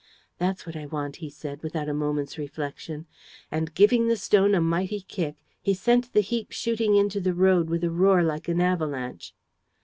"That's what I want," he said, without a moment's reflection. And, giving the stone a mighty kick, he sent the heap shooting into the road with a roar like an avalanche.